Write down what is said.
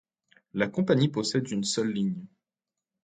La compagnie possède une seule ligne.